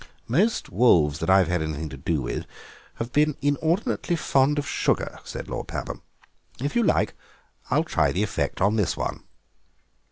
"Most wolves that I've had anything to do with have been inordinately fond of sugar," said Lord Pabham; "if you like I'll try the effect on this one."